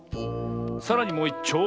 さらにもういっちょう。